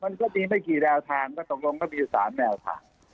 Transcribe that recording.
มันก็มีไม่กี่แนวทางก็ตกลงก็มีอยู่๓แนวทาง